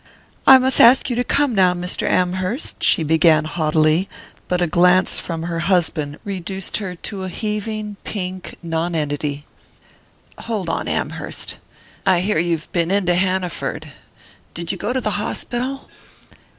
"I must ask you to come now, Mr. Amherst," she began haughtily; but a glance from her husband reduced her to a heaving pink nonentity. "Hold on, Amherst. I hear you've been in to Hanaford. Did you go to the hospital?"